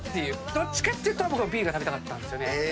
どっちかっていうと僕はＢが食べたかったんですよね。